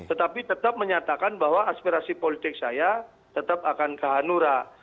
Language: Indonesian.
tetapi tetap menyatakan bahwa aspirasi politik saya tetap akan ke hanura